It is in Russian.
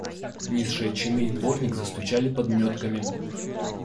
Низшие чины и дворник застучали подметками.